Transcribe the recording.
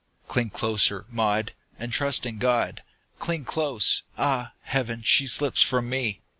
"Cling closer, Maud, and trust in God! Cling close! Ah, heaven, she slips from me!"